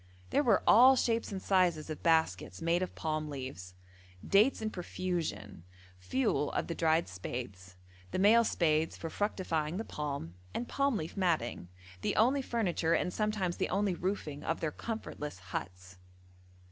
There were all shapes and sizes of baskets made of palm leaves, dates in profusion, fuel of the dried spathes, the male spathes for fructifying the palm, and palm leaf matting the only furniture, and sometimes the only roofing of their comfortless huts.